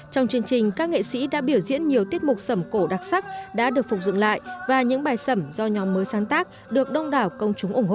trong chương trình các nghệ sĩ đã biểu diễn nhiều tiết mục sầm cổ đặc sắc đã được phục dựng lại và những bài sẩm do nhóm mới sáng tác được đông đảo công chúng ủng hộ